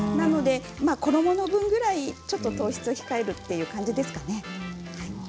衣の分ぐらいちょっと糖質を控える感じですかね。